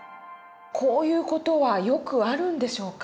こういう事はよくあるんでしょうか。